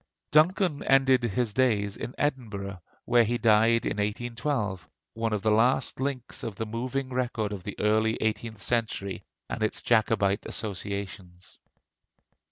Duncan ended his days in Edinburgh, where he died in 1812, one of the last links of the moving record of the early eighteenth century and its Jacobite associations.